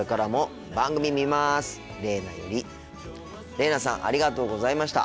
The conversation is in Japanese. れいなさんありがとうございました。